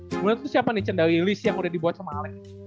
kemudian tuh siapa nih cendawili yang udah dibuat sama alec